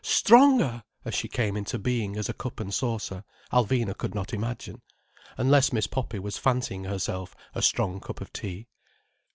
Stronger!" as she came into being as a cup and saucer, Alvina could not imagine: unless Miss Poppy was fancying herself a strong cup of tea.